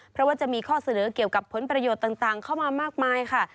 เพราะว่าจะมีข้อเสนอเกี่ยวกับผลประโยชน์ต่างเข้ามามากมายค่ะ